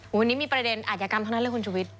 วันนี้มีประเด็นอาจยากรรมเท่านั้นหรือคุณชูวิต